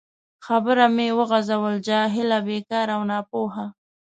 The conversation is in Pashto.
خبره مې وغځول: جاهله، بیکاره او ناپوه.